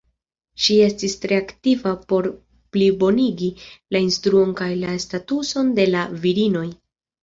Ŝi estis tre aktiva por plibonigi la instruon kaj la statuson de la virinoj.